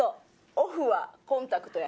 オフはコンタクトや。